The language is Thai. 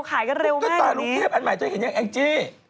แต่กระทะลูกเท็ปอันใหม่ใจ